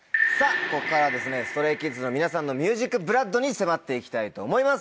ここからＳｔｒａｙＫｉｄｓの皆さんのＭＵＳＩＣＢＬＯＯＤに迫って行きたいと思います。